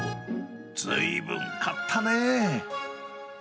ずいぶん買ったねぇ。